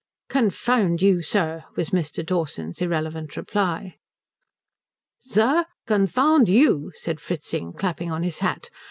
"Confound you, sir," was Mr. Dawson's irrelevant reply. "Sir, confound you," said Fritzing, clapping on his hat.